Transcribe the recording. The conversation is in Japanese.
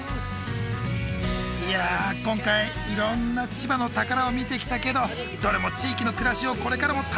いや今回いろんな千葉の宝を見てきたけどどれも地域の暮らしをこれからも大切に守っていきたい